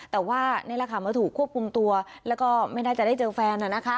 แต่ว่านี่แหละค่ะมาถูกควบคุมตัวแล้วก็ไม่น่าจะได้เจอแฟน